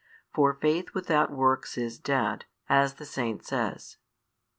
For faith without works is dead, as the Saint says.